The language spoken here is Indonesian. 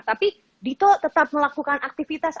tapi dito tetap melakukan aktivitas